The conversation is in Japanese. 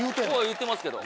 言ってますけど。